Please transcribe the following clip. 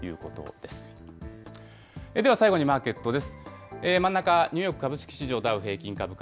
では、最後にマーケットです。